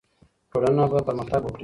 ټولنه به پرمختګ وکړي.